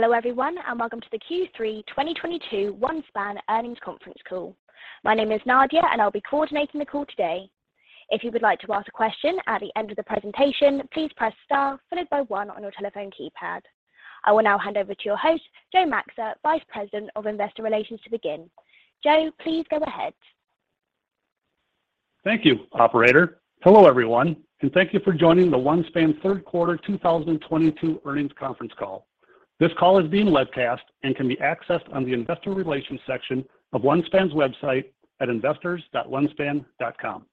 Hello everyone, and welcome to the Q3 2022 OneSpan Earnings Conference Call. My name is Nadia, and I'll be coordinating the call today. If you would like to ask a question at the end of the presentation, please press Star followed by one on your telephone keypad. I will now hand over to your host, Joe Maxa, Vice President of Investor Relations, to begin. Joe, please go ahead. Thank you, operator. Hello, everyone, and thank you for joining the OneSpan third quarter 2022 earnings conference call. This call is being webcast and can be accessed on the investor relations section of OneSpan's website at investors.onespan.com.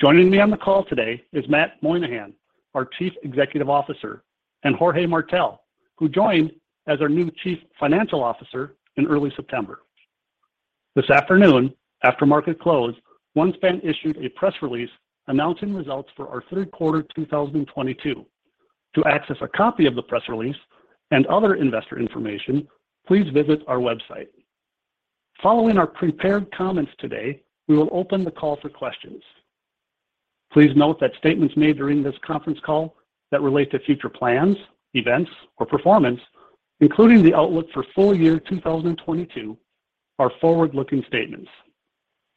Joining me on the call today is Matthew Moynahan, our Chief Executive Officer, and Jorge Martell, who joined as our new Chief Financial Officer in early September. This afternoon, after market close, OneSpan issued a press release announcing results for our third quarter 2022. To access a copy of the press release and other investor information, please visit our website. Following our prepared comments today, we will open the call for questions. Please note that statements made during this conference call that relate to future plans, events, or performance, including the outlook for full year 2022, are forward-looking statements.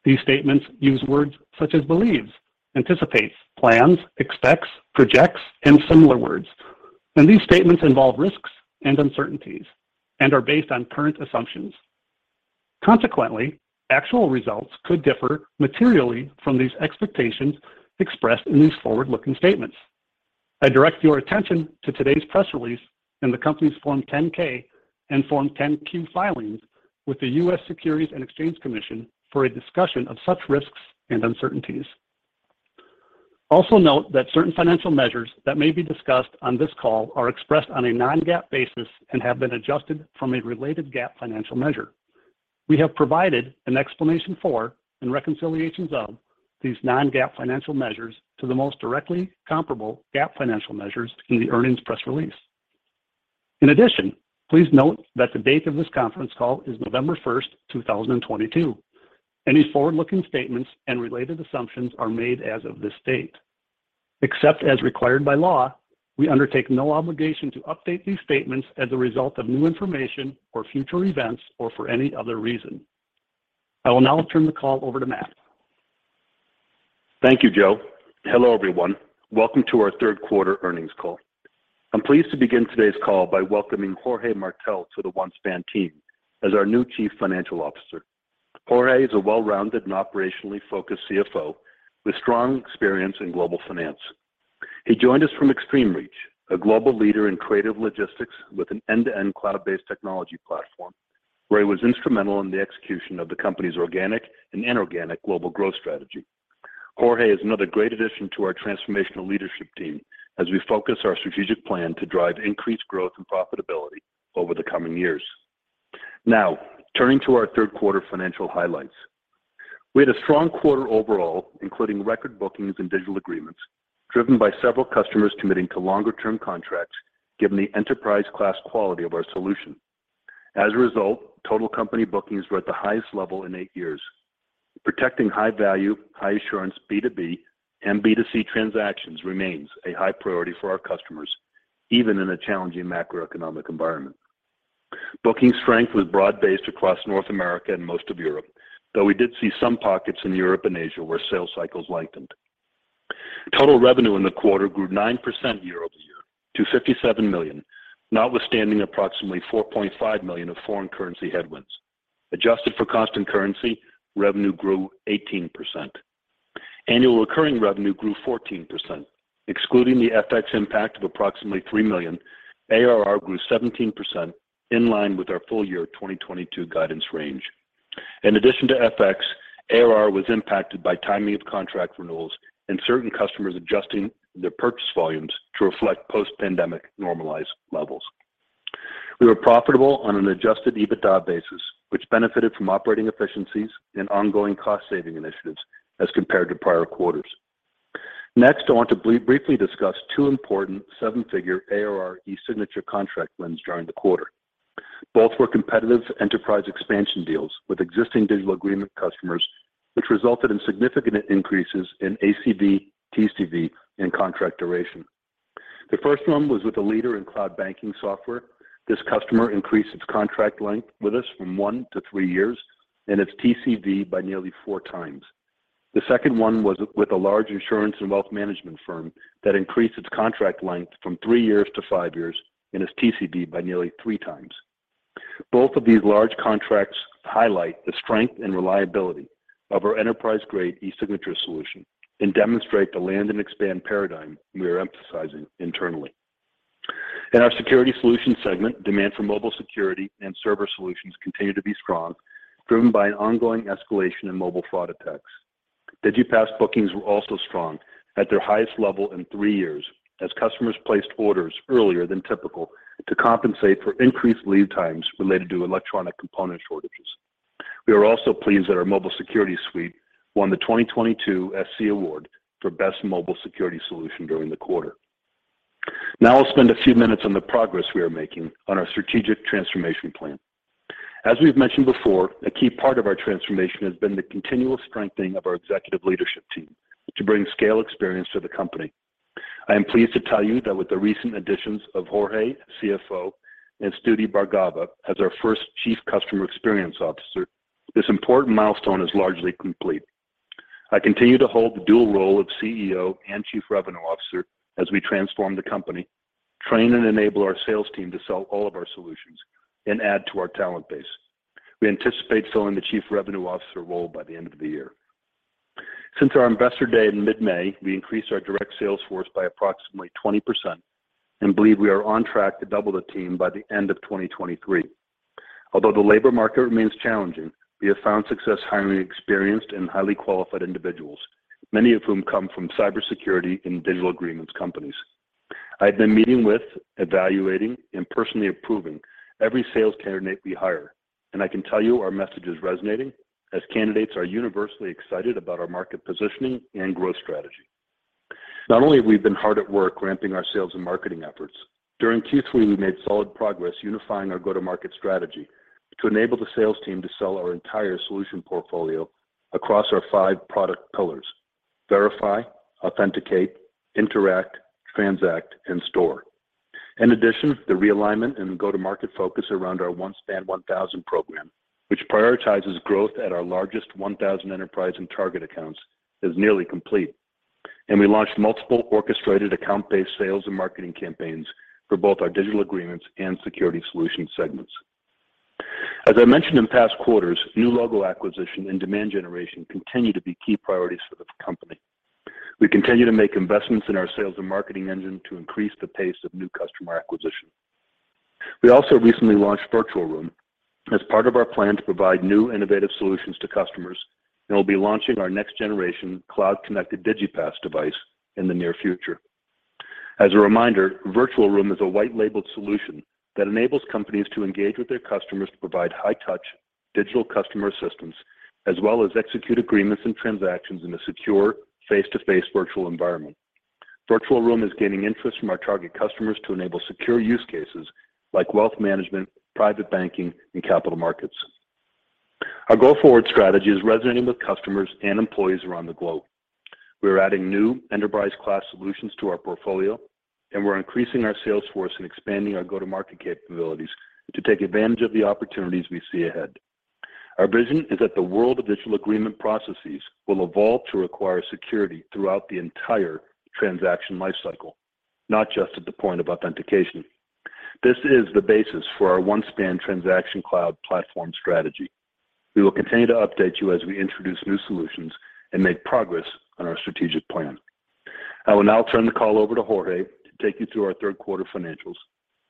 These statements use words such as believes, anticipates, plans, expects, projects, and similar words, and these statements involve risks and uncertainties and are based on current assumptions. Consequently, actual results could differ materially from these expectations expressed in these forward-looking statements. I direct your attention to today's press release in the company's Form 10-K and Form 10-Q filings with the U.S. Securities and Exchange Commission for a discussion of such risks and uncertainties. Also note that certain financial measures that may be discussed on this call are expressed on a non-GAAP basis and have been adjusted from a related GAAP financial measure. We have provided an explanation for and reconciliations of these non-GAAP financial measures to the most directly comparable GAAP financial measures in the earnings press release. In addition, please note that the date of this conference call is November 1, 2022. Any forward-looking statements and related assumptions are made as of this date. Except as required by law, we undertake no obligation to update these statements as a result of new information or future events or for any other reason. I will now turn the call over to Matt. Thank you, Joe. Hello, everyone. Welcome to our third quarter earnings call. I'm pleased to begin today's call by welcoming Jorge Martell to the OneSpan team as our new Chief Financial Officer. Jorge is a well-rounded and operationally focused CFO with strong experience in global finance. He joined us from Extreme Reach, a global leader in creative logistics with an end-to-end cloud-based technology platform, where he was instrumental in the execution of the company's organic and inorganic global growth strategy. Jorge is another great addition to our transformational leadership team as we focus our strategic plan to drive increased growth and profitability over the coming years. Now, turning to our third quarter financial highlights. We had a strong quarter overall, including record bookings and digital agreements, driven by several customers committing to longer term contracts, given the enterprise-class quality of our solution. As a result, total company bookings were at the highest level in eight years. Protecting high-value, high-assurance B2B and B2C transactions remains a high priority for our customers, even in a challenging macroeconomic environment. Booking strength was broad-based across North America and most of Europe, though we did see some pockets in Europe and Asia where sales cycles lengthened. Total revenue in the quarter grew 9% year-over-year to $57 million, notwithstanding approximately $4.5 million of foreign currency headwinds. Adjusted for constant currency, revenue grew 18%. Annual recurring revenue grew 14%. Excluding the FX impact of approximately $3 million, ARR grew 17%, in line with our full-year 2022 guidance range. In addition to FX, ARR was impacted by timing of contract renewals and certain customers adjusting their purchase volumes to reflect post-pandemic normalized levels. We were profitable on an Adjusted EBITDA basis, which benefited from operating efficiencies and ongoing cost-saving initiatives as compared to prior quarters. Next, I want to briefly discuss two important seven-figure ARR e-signature contract wins during the quarter. Both were competitive enterprise expansion deals with existing digital agreement customers, which resulted in significant increases in ACV, TCV, and contract duration. The first one was with a leader in cloud banking software. This customer increased its contract length with us from one to three years and its TCV by nearly 4x. The second one was with a large insurance and wealth management firm that increased its contract length from three to five years and its TCV by nearly 3x. Both of these large contracts highlight the strength and reliability of our enterprise-grade e-signature solution and demonstrate the land and expand paradigm we are emphasizing internally. In our Security Solutions segment, demand for mobile security and server solutions continue to be strong, driven by an ongoing escalation in mobile fraud attacks. Digipass bookings were also strong, at their highest level in three years, as customers placed orders earlier than typical to compensate for increased lead times related to electronic component shortages. We are also pleased that our Mobile Security Suite won the 2022 SC Award for Best Mobile Security Solution during the quarter. Now I'll spend a few minutes on the progress we are making on our strategic transformation plan. As we've mentioned before, a key part of our transformation has been the continual strengthening of our executive leadership team to bring scale experience to the company. I am pleased to tell you that with the recent additions of Jorge Martell, CFO, and Stuti Bhargava as our first Chief Customer Experience Officer, this important milestone is largely complete. I continue to hold the dual role of CEO and Chief Revenue Officer as we transform the company, train and enable our sales team to sell all of our solutions, and add to our talent base. We anticipate filling the Chief Revenue Officer role by the end of the year. Since our Investor Day in mid-May, we increased our direct sales force by approximately 20% and believe we are on track to double the team by the end of 2023. Although the labor market remains challenging, we have found success hiring experienced and highly qualified individuals, many of whom come from cybersecurity and digital agreements companies. I've been meeting with, evaluating, and personally approving every sales candidate we hire, and I can tell you our message is resonating as candidates are universally excited about our market positioning and growth strategy. Not only have we been hard at work ramping our sales and marketing efforts, during Q3 we made solid progress unifying our go-to-market strategy to enable the sales team to sell our entire solution portfolio across our five product pillars, verify, authenticate, interact, transact, and store. In addition, the realignment and go-to-market focus around our OneSpan 1000 Program, which prioritizes growth at our largest 1000 enterprise and target accounts, is nearly complete. We launched multiple orchestrated account-based sales and marketing campaigns for both our Digital Agreements and Security Solutions segments. As I mentioned in past quarters, new logo acquisition and demand generation continue to be key priorities for the company. We continue to make investments in our sales and marketing engine to increase the pace of new customer acquisition. We also recently launched Virtual Room as part of our plan to provide new, innovative solutions to customers, and we'll be launching our next-generation cloud-connected Digipass device in the near future. As a reminder, Virtual Room is a white-labeled solution that enables companies to engage with their customers to provide high-touch digital customer assistance, as well as execute agreements and transactions in a secure, face-to-face virtual environment. Virtual Room is gaining interest from our target customers to enable secure use cases like wealth management, private banking, and capital markets. Our go-forward strategy is resonating with customers and employees around the globe. We are adding new enterprise-class solutions to our portfolio, and we're increasing our sales force and expanding our go-to-market capabilities to take advantage of the opportunities we see ahead. Our vision is that the world of digital agreement processes will evolve to require security throughout the entire transaction lifecycle, not just at the point of authentication. This is the basis for our OneSpan Transaction Cloud platform strategy. We will continue to update you as we introduce new solutions and make progress on our strategic plan. I will now turn the call over to Jorge to take you through our third quarter financials.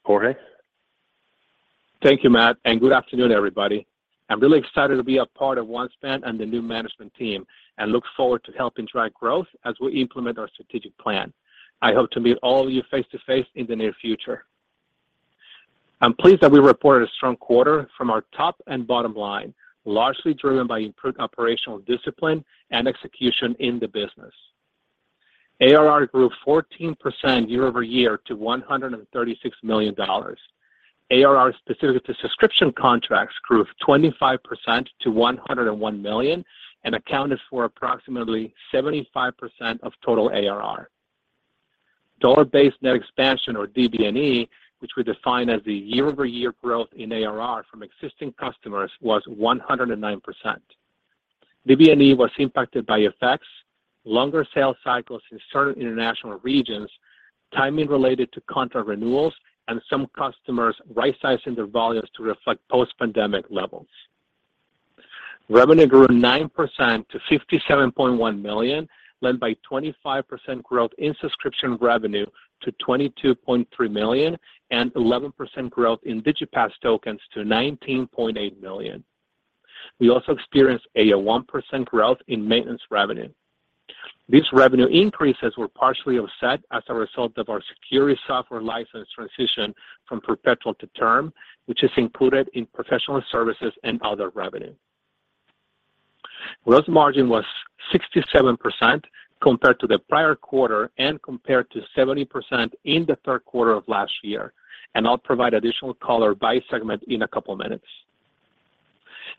Jorge? Thank you, Matt, and good afternoon, everybody. I'm really excited to be a part of OneSpan and the new management team and look forward to helping drive growth as we implement our strategic plan. I hope to meet all of you face-to-face in the near future. I'm pleased that we reported a strong quarter from our top and bottom line, largely driven by improved operational discipline and execution in the business. ARR grew 14% year-over-year to $136 million. ARR specific to subscription contracts grew 25% to $101 million and accounted for approximately 75% of total ARR. Dollar-based net expansion, or DBNE, which we define as the year-over-year growth in ARR from existing customers, was 109%. DBNE was impacted by effects, longer sales cycles in certain international regions, timing related to contract renewals, and some customers rightsizing their volumes to reflect post-pandemic levels. Revenue grew 9% to $57.1 million, led by 25% growth in subscription revenue to $22.3 million and 11% growth in Digipass tokens to $19.8 million. We also experienced a 1% growth in maintenance revenue. These revenue increases were partially offset as a result of our security software license transition from perpetual to term, which is included in professional services and other revenue. Gross margin was 67% compared to the prior quarter and compared to 70% in the third quarter of last year. I'll provide additional color by segment in a couple minutes.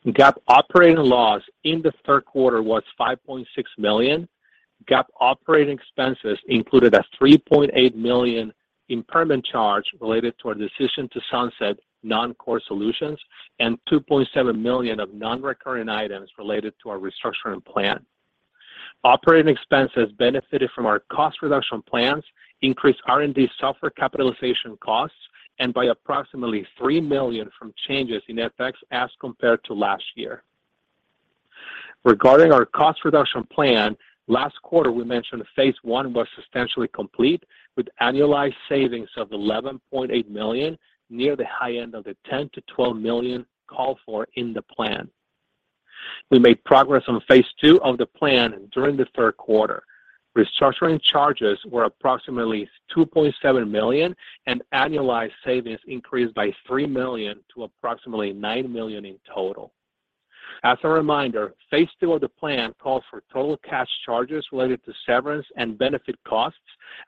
GAAP operating loss in the third quarter was $5.6 million. GAAP operating expenses included a $3.8 million impairment charge related to our decision to sunset non-core solutions and $2.7 million of non-recurring items related to our restructuring plan. Operating expenses benefited from our cost reduction plans, increased R&D software capitalization costs, and by approximately $3 million from changes in FX as compared to last year. Regarding our cost reduction plan, last quarter we mentioned phase one was substantially complete with annualized savings of $11.8 million, near the high end of the $10 million-$12 million called for in the plan. We made progress on phase two of the plan during the third quarter. Restructuring charges were approximately $2.7 million, and annualized savings increased by $3 million to approximately $9 million in total. As a reminder, phase two of the plan calls for total cash charges related to severance and benefit costs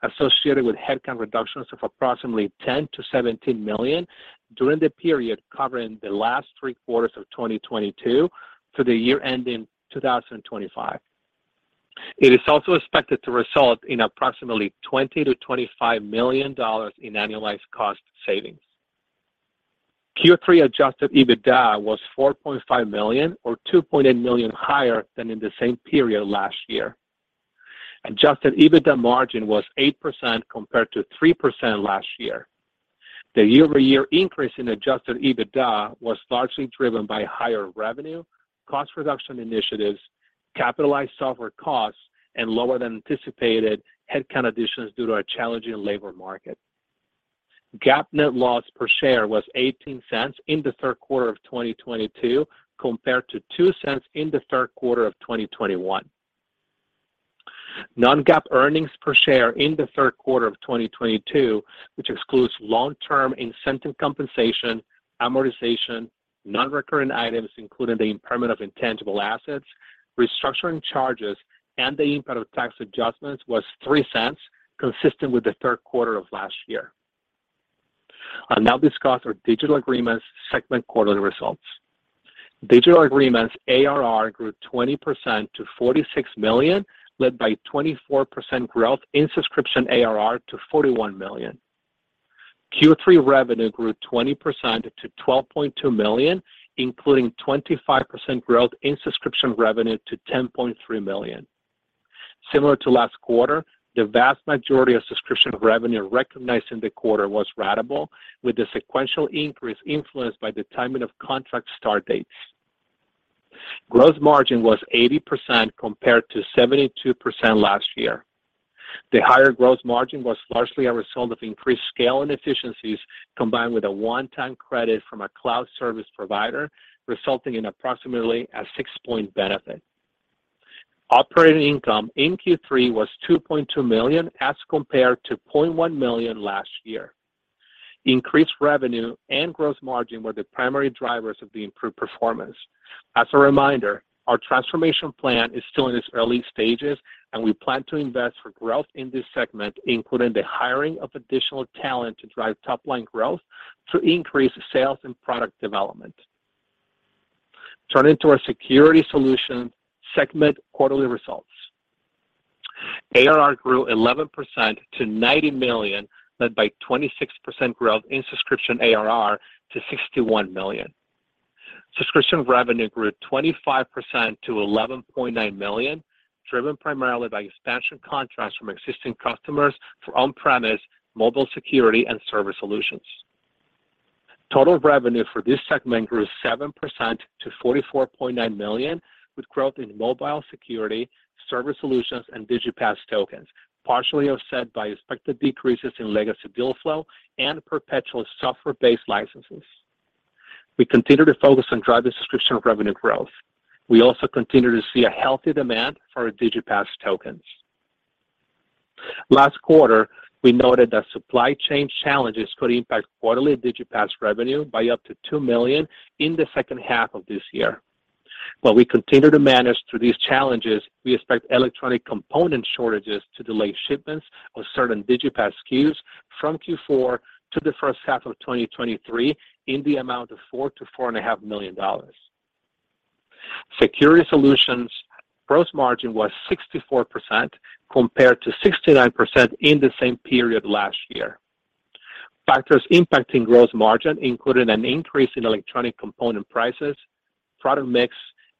associated with headcount reductions of approximately $10 million-$17 million during the period covering the last three quarters of 2022 to the year end in 2025. It is also expected to result in approximately $20 million-$25 million in annualized cost savings. Q3 Adjusted EBITDA was $4.5 million or $2.8 million higher than in the same period last year. Adjusted EBITDA margin was 8% compared to 3% last year. The year-over-year increase in Adjusted EBITDA was largely driven by higher revenue, cost reduction initiatives, capitalized software costs, and lower than anticipated headcount additions due to a challenging labor market. GAAP net loss per share was $0.18 in the third quarter of 2022 compared to $0.02 in the third quarter of 2021. Non-GAAP earnings per share in the third quarter of 2022, which excludes long-term incentive compensation, amortization, non-recurring items including the impairment of intangible assets, restructuring charges, and the impact of tax adjustments, was $0.03, consistent with the third quarter of last year. I'll now discuss our Digital Agreements segment quarterly results. Digital Agreements ARR grew 20% to $46 million, led by 24% growth in subscription ARR to $41 million. Q3 revenue grew 20% to $12.2 million, including 25% growth in subscription revenue to $10.3 million. Similar to last quarter, the vast majority of subscription revenue recognized in the quarter was ratable, with the sequential increase influenced by the timing of contract start dates. Gross margin was 80% compared to 72% last year. The higher gross margin was largely a result of increased scale and efficiencies combined with a one-time credit from a cloud service provider, resulting in approximately a 6-point benefit. Operating income in Q3 was $2.2 million as compared to $0.1 million last year. Increased revenue and gross margin were the primary drivers of the improved performance. As a reminder, our transformation plan is still in its early stages, and we plan to invest for growth in this segment, including the hiring of additional talent to drive top-line growth to increase sales and product development. Turning to our Security Solutions segment quarterly results. ARR grew 11% to $90 million, led by 26% growth in subscription ARR to $61 million. Subscription revenue grew 25% to $11.9 million, driven primarily by expansion contracts from existing customers for on-premise mobile security and service solutions. Total revenue for this segment grew 7% to $44.9 million, with growth in mobile security, service solutions, and Digipass tokens, partially offset by expected decreases in legacy DealFlow and perpetual software-based licenses. We continue to focus on driving subscription revenue growth. We also continue to see a healthy demand for our Digipass tokens. Last quarter, we noted that supply chain challenges could impact quarterly Digipass revenue by up to $2 million in the second half of this year. While we continue to manage through these challenges, we expect electronic component shortages to delay shipments of certain Digipass SKUs from Q4 to the first half of 2023 in the amount of $4-$4.5 million. Security Solutions gross margin was 64% compared to 69% in the same period last year. Factors impacting gross margin included an increase in electronic component prices, product mix,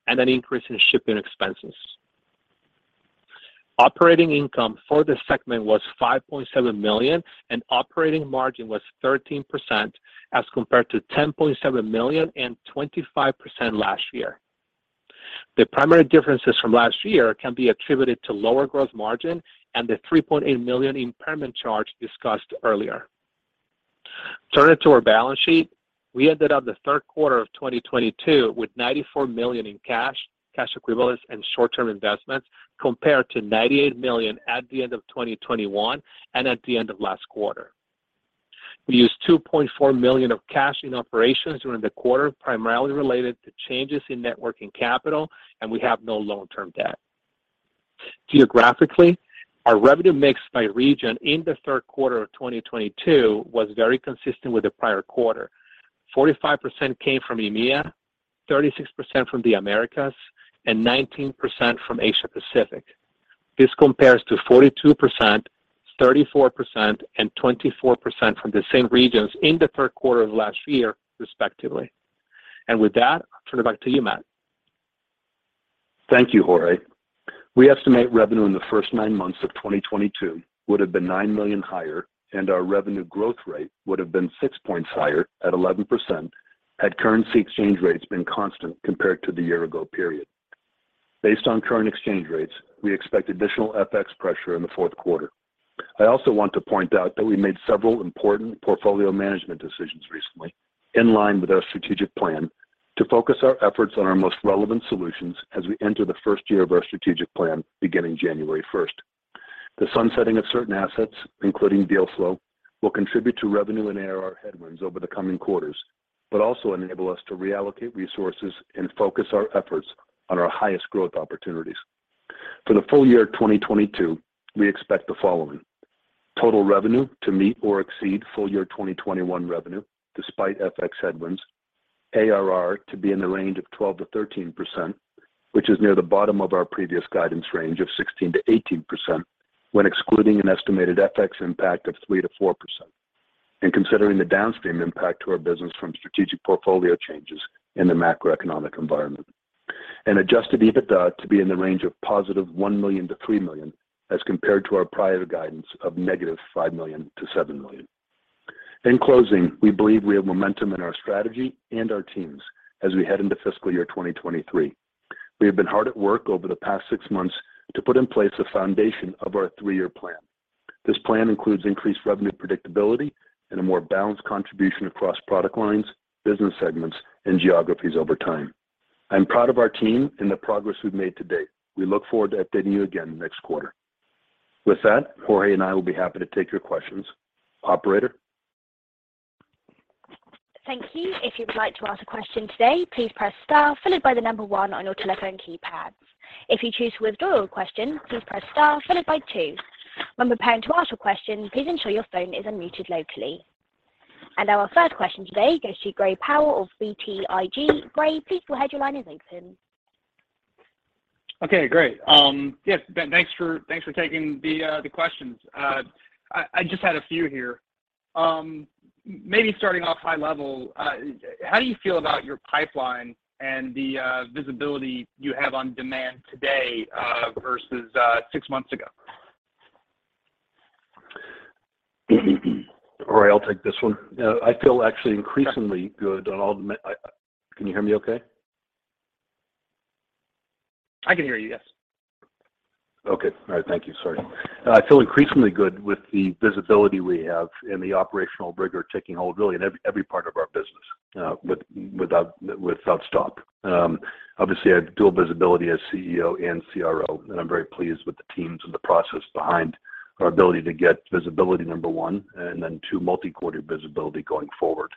and an increase in shipping expenses. Operating income for this segment was $5.7 million, and operating margin was 13% as compared to $10.7 million and 25% last year. The primary differences from last year can be attributed to lower gross margin and the $3.8 million impairment charge discussed earlier. Turning to our balance sheet, we ended up the third quarter of 2022 with $94 million in cash equivalents, and short-term investments, compared to $98 million at the end of 2021 and at the end of last quarter. We used $2.4 million of cash in operations during the quarter, primarily related to changes in net working capital, and we have no long-term debt. Geographically, our revenue mix by region in the third quarter of 2022 was very consistent with the prior quarter. 45% came from EMEA, 36% from the Americas, and 19% from Asia Pacific. This compares to 42%, 34%, and 24% from the same regions in the third quarter of last year, respectively. With that, I'll turn it back to you, Matt. Thank you, Jorge. We estimate revenue in the first nine months of 2022 would have been $9 million higher and our revenue growth rate would have been six points higher at 11% had currency exchange rates been constant compared to the year-ago period. Based on current exchange rates, we expect additional FX pressure in the fourth quarter. I also want to point out that we made several important portfolio management decisions recently in line with our strategic plan to focus our efforts on our most relevant solutions as we enter the first year of our strategic plan beginning January first. The sunsetting of certain assets, including DealFlow, will contribute to revenue and ARR headwinds over the coming quarters, but also enable us to reallocate resources and focus our efforts on our highest growth opportunities. For the full year 2022, we expect the following. Total revenue to meet or exceed full year 2021 revenue despite FX headwinds. ARR to be in the range of 12%-13%, which is near the bottom of our previous guidance range of 16%-18% when excluding an estimated FX impact of 3%-4% and considering the downstream impact to our business from strategic portfolio changes in the macroeconomic environment. Adjusted EBITDA to be in the range of $1 million-$3 million as compared to our prior guidance of -$5 million to $7 million. In closing, we believe we have momentum in our strategy and our teams as we head into fiscal year 2023. We have been hard at work over the past six months to put in place a foundation of our three-year plan. This plan includes increased revenue predictability and a more balanced contribution across product lines, business segments, and geographies over time. I'm proud of our team and the progress we've made to date. We look forward to updating you again next quarter. With that, Jorge and I will be happy to take your questions. Operator? Thank you. If you'd like to ask a question today, please press star followed by the number one on your telephone keypad. If you choose to withdraw your question, please press star followed by two. When preparing to ask your question, please ensure your phone is unmuted locally. Our third question today goes to Gray Powell of BTIG. Gray, please go ahead. Your line is open. Okay. Great. Yes. Ben, thanks for taking the questions. I just had a few here. Maybe starting off high level, how do you feel about your pipeline and the visibility you have on demand today, versus six months ago? All right, I'll take this one. I feel actually increasingly good on all. Can you hear me okay? I can hear you, yes. Okay. All right. Thank you. Sorry. I feel increasingly good with the visibility we have and the operational rigor taking hold really in every part of our business, without stop. Obviously, I have dual visibility as CEO and CRO, and I'm very pleased with the teams and the process behind our ability to get visibility, number one, and then two, multi-quarter visibility going forward.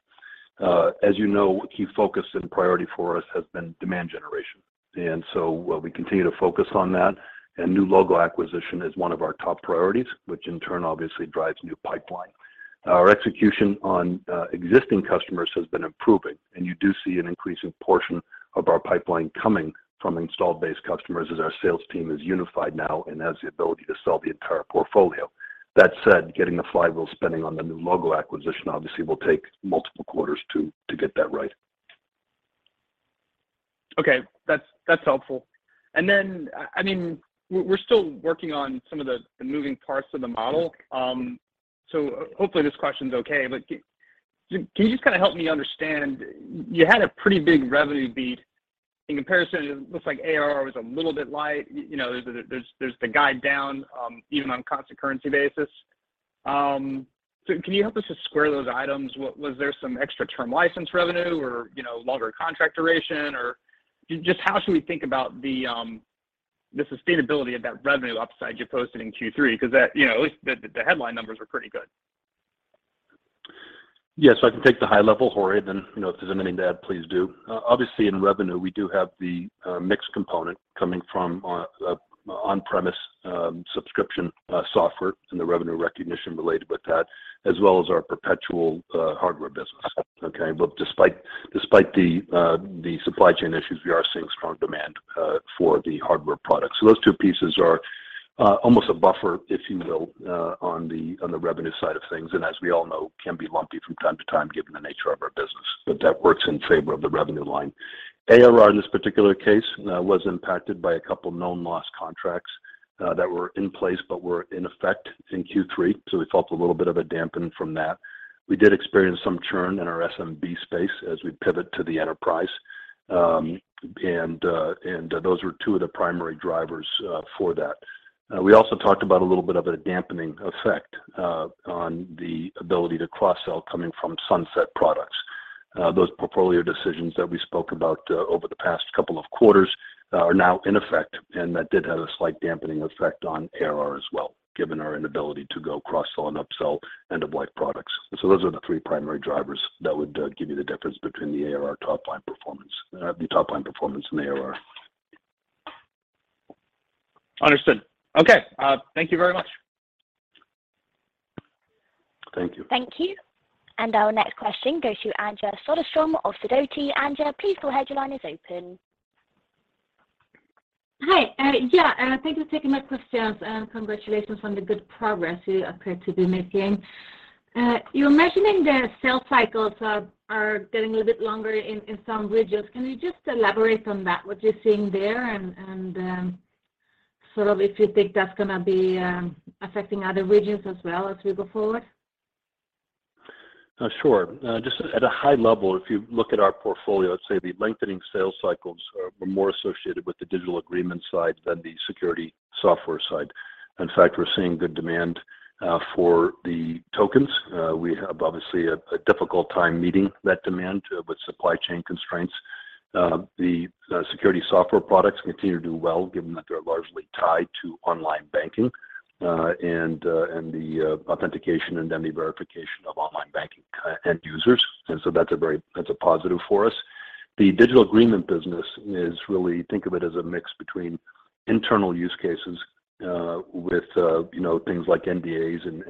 As you know, a key focus and priority for us has been demand generation, and so we continue to focus on that, and new logo acquisition is one of our top priorities, which in turn obviously drives new pipeline. Our execution on existing customers has been improving, and you do see an increasing portion of our pipeline coming from installed base customers as our sales team is unified now and has the ability to sell the entire portfolio. That said, getting the flywheel spending on the new logo acquisition obviously will take multiple quarters to get that right. Okay. That's helpful. I mean, we're still working on some of the moving parts of the model, so hopefully this question's okay, but can you just kinda help me understand, you had a pretty big revenue beat. In comparison, it looks like ARR was a little bit light. You know, there's the guide down, even on constant currency basis. Can you help us just square those items? Was there some extra term license revenue or, you know, longer contract duration? Just how should we think about the sustainability of that revenue upside you posted in Q3 because that, you know, at least the headline numbers are pretty good. Yeah. I can take the high level, Jorge, then, you know, if there's anything to add, please do. Obviously in revenue, we do have the mixed component coming from on-premise subscription software and the revenue recognition related with that as well as our perpetual hardware business. Okay? Despite the supply chain issues, we are seeing strong demand for the hardware products. Those two pieces are almost a buffer, if you will, on the revenue side of things, and as we all know, can be lumpy from time to time given the nature of our business. That works in favor of the revenue line. ARR in this particular case was impacted by a couple known lost contracts that were in place but were in effect in Q3, so we felt a little bit of a dampen from that. We did experience some churn in our SMB space as we pivot to the enterprise, and those were two of the primary drivers for that. We also talked about a little bit of a dampening effect on the ability to cross-sell coming from sunset products. Those portfolio decisions that we spoke about over the past couple of quarters are now in effect, and that did have a slight dampening effect on ARR as well, given our inability to go cross-sell and upsell end-of-life products. Those are the three primary drivers that would give you the difference between the top-line performance and the ARR. Understood. Okay. Thank you very much. Thank you. Thank you. Our next question goes to Anja Soderstrom of Sidoti & Company. Anja, please go ahead. Your line is open. Hi. Yeah, thank you for taking my questions, and congratulations on the good progress you appear to be making. You're mentioning the sales cycles are getting a little bit longer in some regions. Can you just elaborate on that, what you're seeing there and sort of if you think that's gonna be affecting other regions as well as we go forward? Sure. Just at a high level, if you look at our portfolio, I'd say the lengthening sales cycles were more associated with the Digital Agreements side than the Security Solutions side. In fact, we're seeing good demand for the tokens. We have obviously a difficult time meeting that demand with supply chain constraints. The Security Solutions products continue to do well, given that they're largely tied to online banking and the authentication and then the verification of online banking end users. That's a very positive for us. The Digital Agreements business is really, think of it as a mix between internal use cases with you know things like NDAs and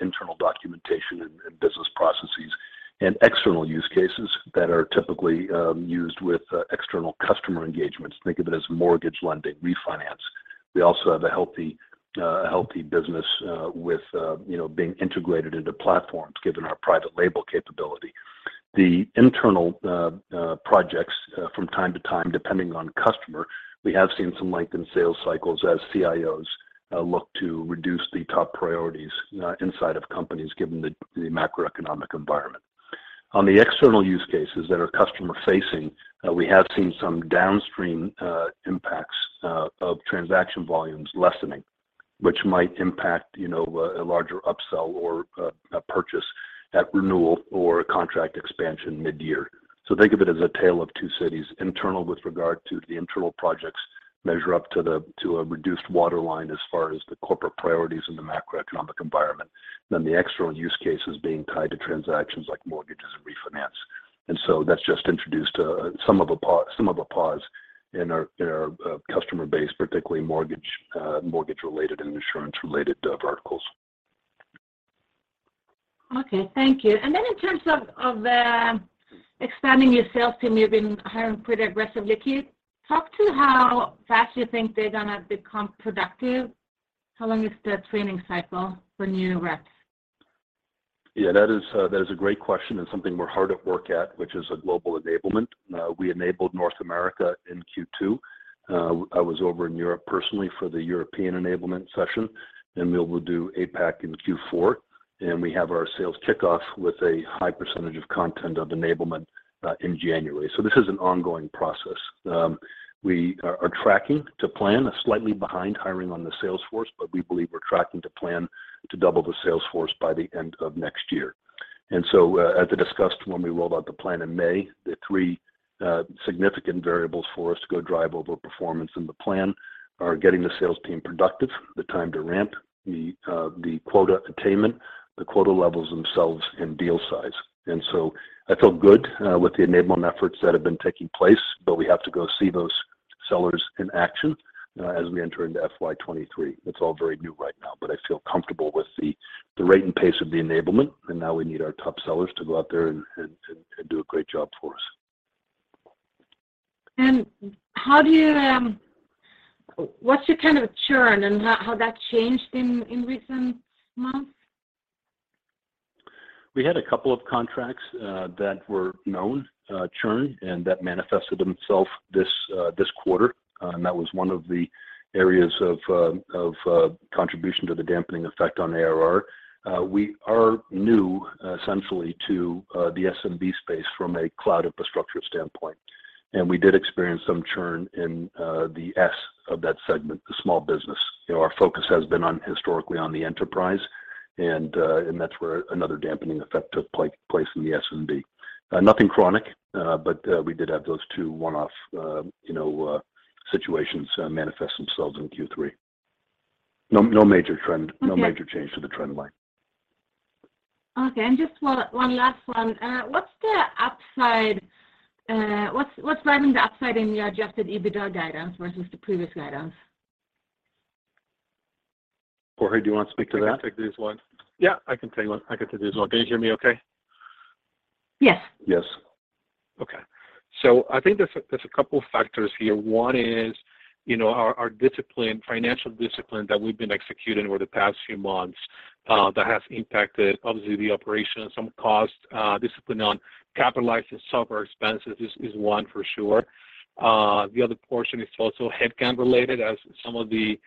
internal documentation and business processes, and external use cases that are typically used with external customer engagements. Think of it as mortgage lending, refinance. We also have a healthy business with, you know, being integrated into platforms, given our private label capability. The internal projects from time to time, depending on customer, we have seen some lengthened sales cycles as CIOs look to reduce the top priorities inside of companies given the macroeconomic environment. On the external use cases that are customer-facing, we have seen some downstream impacts of transaction volumes lessening, which might impact, you know, a larger upsell or a purchase at renewal or a contract expansion mid-year. Think of it as a tale of two cities. Internal with regard to the internal projects measure up to a reduced waterline as far as the corporate priorities and the macroeconomic environment. The external use cases being tied to transactions like mortgages and refinance. That's just introduced some of a pause in our customer base, particularly mortgage-related and insurance-related verticals. Okay. Thank you. In terms of expanding your sales team, you've been hiring pretty aggressively. Can you talk to how fast you think they're gonna become productive? How long is the training cycle for new reps? Yeah, that is a great question, and something we're hard at work at, which is a global enablement. We enabled North America in Q2. I was over in Europe personally for the European enablement session, and we'll do APAC in Q4. We have our sales kickoff with a high percentage of content of enablement in January. This is an ongoing process. We are tracking to plan, slightly behind hiring on the sales force, but we believe we're tracking to plan to double the sales force by the end of next year. As I discussed when we rolled out the plan in May, the three significant variables for us to go drive over performance in the plan are getting the sales team productive, the time to ramp, the quota attainment, the quota levels themselves, and deal size. I feel good with the enablement efforts that have been taking place, but we have to go see those sellers in action as we enter into FY 2023. It's all very new right now, but I feel comfortable with the rate and pace of the enablement, and now we need our top sellers to go out there and do a great job for us. What's your kind of churn and how that changed in recent months? We had a couple of contracts that were known churn, and that manifested themselves this quarter. That was one of the areas of contribution to the dampening effect on ARR. We are new, essentially, to the SMB space from a cloud infrastructure standpoint, and we did experience some churn in the S of that segment, the small business. You know, our focus has been on, historically, the enterprise, and that's where another dampening effect took place in the SMB. Nothing chronic, but we did have those two one-off, you know, situations manifest themselves in Q3. No major trend. Okay. No major change to the trend line. Okay. Just one last one. What's the upside, what's driving the upside in the Adjusted EBITDA guidance versus the previous guidance? Jorge, do you want to speak to that? I can take this one. Yeah, I can tell you what. I can take this one. Can you hear me okay? Yes. Yes. Okay. I think there's a couple factors here. One is, you know, our financial discipline that we've been executing over the past few months that has impacted obviously the operation and some cost discipline on capitalizing software expenses is one for sure. The other portion is also headcount related as some of the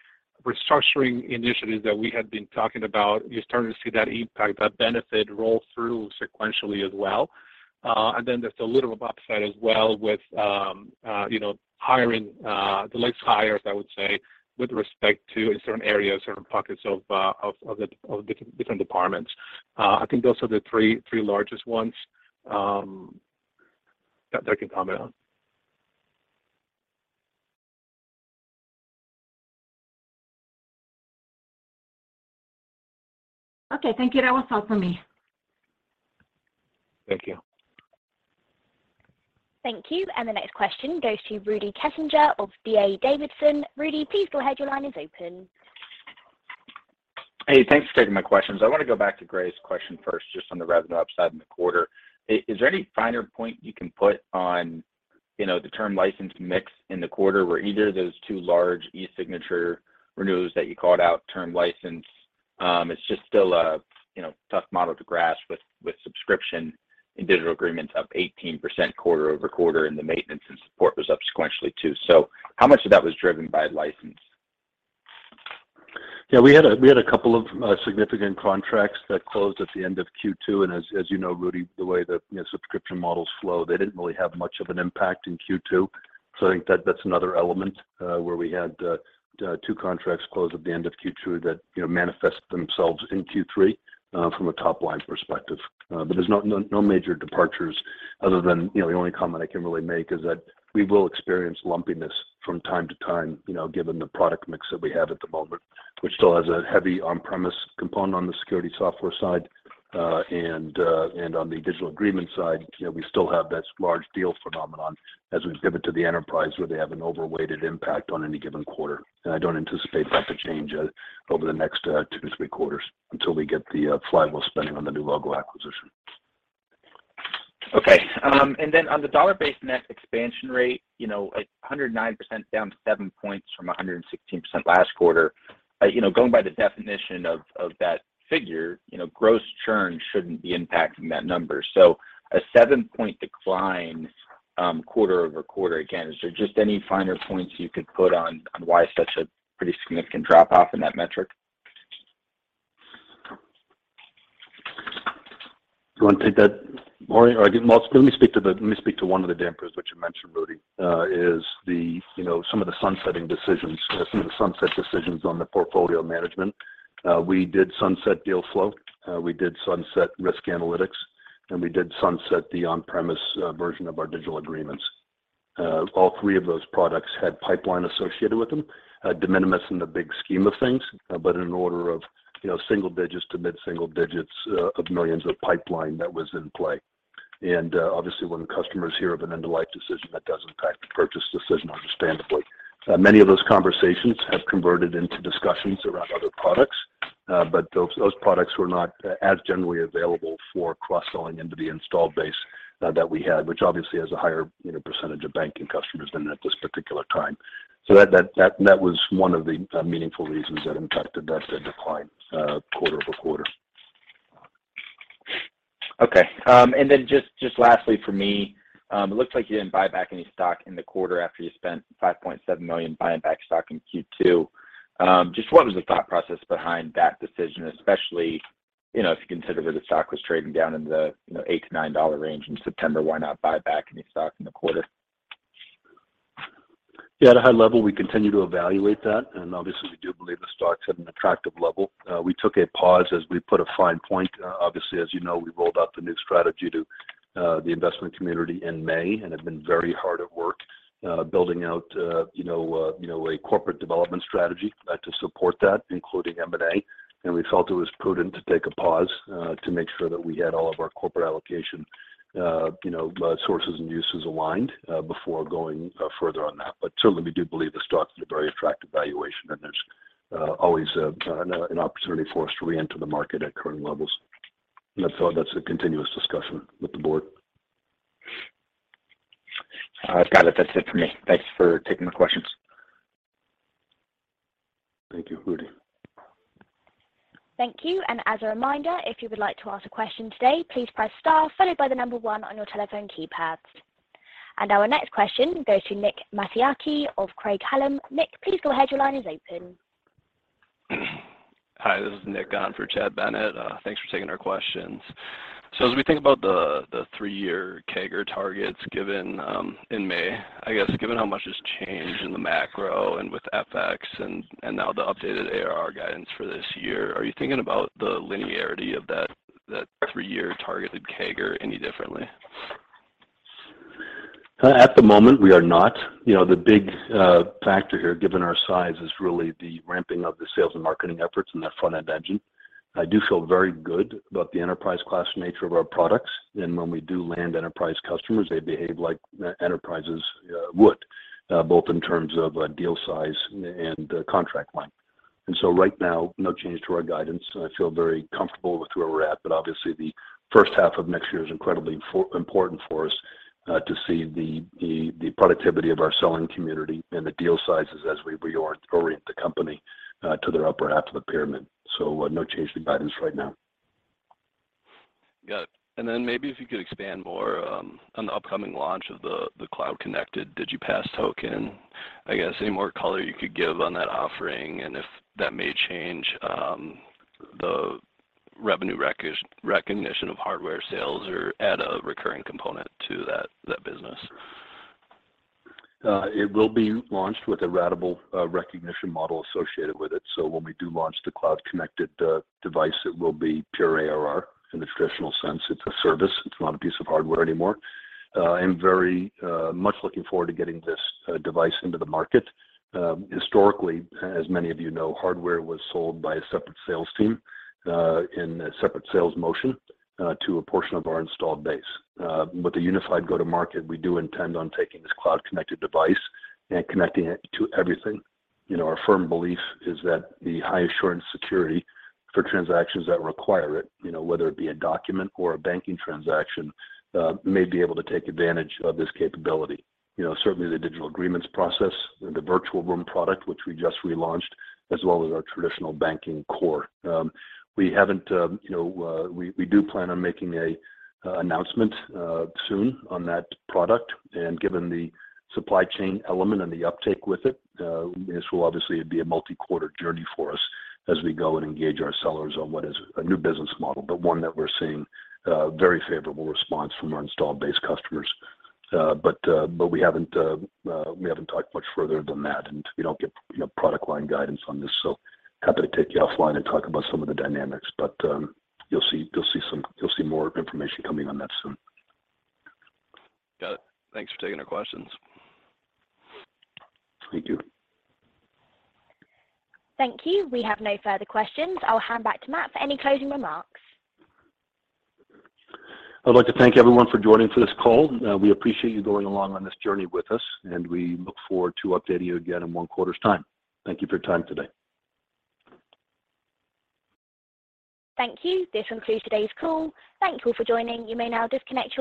restructuring initiatives that we had been talking about. You're starting to see that impact, that benefit roll through sequentially as well. There's a little upside as well with, you know, hiring the latest hires, I would say, with respect to certain areas, certain pockets of different departments. I think those are the three largest ones that I can comment on. Okay. Thank you. That was all for me. Thank you. Thank you. The next question goes to Rudy Kessinger of D.A. Davidson. Rudy, please go ahead. Your line is open. Hey, thanks for taking my questions. I want to go back to Gray's question first, just on the revenue upside in the quarter. Is there any finer point you can put on, you know, the term license mix in the quarter, where either of those two large e-signature renewals that you called out term license? It's just still a, you know, tough model to grasp with subscription and digital agreements up 18% quarter-over-quarter, and the maintenance and support was up sequentially too. How much of that was driven by license? Yeah. We had a couple of significant contracts that closed at the end of Q2, and as you know, Rudy, the way that, you know, subscription models flow, they didn't really have much of an impact in Q2. I think that's another element where we had two contracts close at the end of Q2 that, you know, manifest themselves in Q3 from a top-line perspective. But there's no major departures other than, you know, the only comment I can really make is that we will experience lumpiness from time to time, you know, given the product mix that we have at the moment, which still has a heavy on-premise component on the security software side. On the Digital Agreements side, you know, we still have that large deal phenomenon as we give it to the enterprise, where they have an overweighted impact on any given quarter. I don't anticipate that to change over the next two to three quarters until we get the flywheel spending on the new logo acquisition. Okay. Then on the dollar-based net expansion rate, you know, like 109% down to seven points from 116% last quarter. You know, going by the definition of that figure, you know, gross churn shouldn't be impacting that number. A seven-point decline, quarter-over-quarter, again, is there just any finer points you could put on why such a pretty significant drop-off in that metric? You wanna take that, Maureen? Well, let me speak to one of the dampers which you mentioned, Rudy, is the, you know, some of the sunsetting decisions, some of the sunset decisions on the portfolio management. We did sunset DealFlow, we did sunset Risk Analytics, and we did sunset the on-premise version of our Digital Agreements. All three of those products had pipeline associated with them, de minimis in the big scheme of things, but in an order of, you know, single digits to mid-single digits, of millions of pipeline that was in play. Obviously, when customers hear of an end-of-life decision, that does impact the purchase decision, understandably. Many of those conversations have converted into discussions around other products, but those products were not as generally available for cross-selling into the installed base that we had, which obviously has a higher, you know, percentage of banking customers in it at this particular time. That was one of the meaningful reasons that impacted that decline quarter over quarter. Okay. Just lastly for me, it looks like you didn't buy back any stock in the quarter after you spent $5.7 million buying back stock in Q2. Just what was the thought process behind that decision, especially, you know, if you consider that the stock was trading down in the, you know, $8-$9 range in September, why not buy back any stock in the quarter? Yeah. At a high level, we continue to evaluate that, and obviously, we do believe the stock's at an attractive level. We took a pause as we put a fine point. Obviously, as you know, we rolled out the new strategy to the investment community in May and have been very hard at work building out, you know, you know, a corporate development strategy to support that, including M&A. We felt it was prudent to take a pause to make sure that we had all of our corporate allocation, you know, sources and uses aligned before going further on that. Certainly, we do believe the stock's at a very attractive valuation, and there's always an opportunity for us to re-enter the market at current levels. That's all, that's a continuous discussion with the board. All right. Got it. That's it for me. Thanks for taking the questions. Thank you, Rudy. Thank you. As a reminder, if you would like to ask a question today, please press star followed by the number one on your telephone keypads. Our next question goes to Nicholas Mattiacci of Craig-Hallum. Nick, please go ahead. Your line is open. Hi, this is Nick on for Chad Bennett. Thanks for taking our questions. As we think about the three-year CAGR targets given in May, I guess, given how much has changed in the macro and with FX and now the updated ARR guidance for this year, are you thinking about the linearity of that three-year targeted CAGR any differently? At the moment, we are not. You know, the big factor here, given our size, is really the ramping of the sales and marketing efforts in that front-end engine. I do feel very good about the enterprise class nature of our products. When we do land enterprise customers, they behave like enterprises would, both in terms of deal size and contract length. Right now, no change to our guidance. I feel very comfortable with where we're at, but obviously, the first half of next year is incredibly important for us to see the productivity of our selling community and the deal sizes as we reorient the company to their upper half of the pyramid. No change to guidance right now. Got it. Then maybe if you could expand more on the upcoming launch of the cloud-connected Digipass token. I guess any more color you could give on that offering and if that may change the revenue recognition of hardware sales or add a recurring component to that business. It will be launched with a ratable recognition model associated with it. So when we do launch the cloud-connected device, it will be pure ARR in the traditional sense. It's a service. It's not a piece of hardware anymore. I'm very much looking forward to getting this device into the market. Historically, as many of you know, hardware was sold by a separate sales team in a separate sales motion to a portion of our installed base. With the unified go-to-market, we do intend on taking this cloud-connected device and connecting it to everything. You know, our firm belief is that the high assurance security for transactions that require it, you know, whether it be a document or a banking transaction, may be able to take advantage of this capability. You know, certainly the digital agreements process and the virtual room product, which we just relaunched, as well as our traditional banking core. We haven't, you know. We do plan on making an announcement soon on that product. Given the supply chain element and the uptake with it, this will obviously be a multi-quarter journey for us as we go and engage our sellers on what is a new business model, but one that we're seeing a very favorable response from our installed base customers. But we haven't talked much further than that, and we don't give, you know, product line guidance on this, so happy to take you offline and talk about some of the dynamics. You'll see more information coming on that soon. Got it. Thanks for taking our questions. Thank you. Thank you. We have no further questions. I'll hand back to Matt for any closing remarks. I'd like to thank everyone for joining for this call. We appreciate you going along on this journey with us, and we look forward to updating you again in one quarter's time. Thank you for your time today. Thank you. This will conclude today's call. Thank you all for joining. You may now disconnect your lines.